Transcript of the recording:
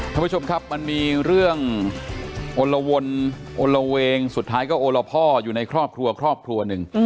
ท่านผู้ชมครับมันมีเรื่องอลละวนอนละเวงสุดท้ายก็โอละพ่ออยู่ในครอบครัวครอบครัวหนึ่ง